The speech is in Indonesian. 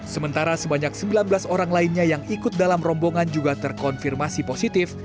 sementara sebanyak sembilan belas orang lainnya yang ikut dalam rombongan juga terkonfirmasi positif